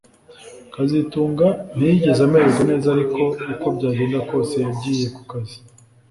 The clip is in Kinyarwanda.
kazitunga ntiyigeze amererwa neza ariko uko byagenda kose yagiye ku kazi